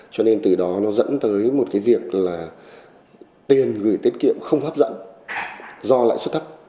cho nên từ đó nó dẫn tới một cái việc là tiền gửi tiết kiệm không hấp dẫn do lãi suất thấp